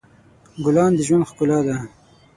ګلان د ژوند ښکلا ده.